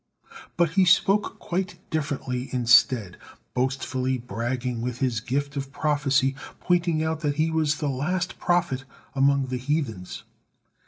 But he spoke quite differently instead, boastfully bragging with his gift of prophecy, pointing out that he was the last prophet among the heathens.